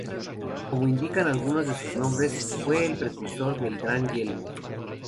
Como indican algunos de sus nombres, fue el precursor del gran yelmo.